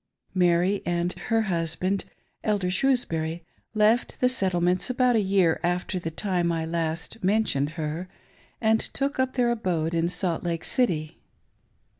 Mary and her husband. Elder Shrewsbury, left the Settle ments about a year after the time I last mentioned her, and took up their abode in Salt Lake City.